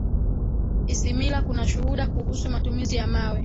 isimila kuna shuhuda kuhusu matumizi ya mawe